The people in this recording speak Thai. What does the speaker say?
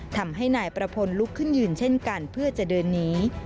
ทำให้นายประพลลุกขึ้นยืนเช่นกันเพื่อจะเดินหนี